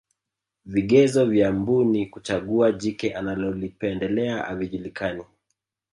vigezo vya mbuni kuchagua jike analolipendelea havijulikani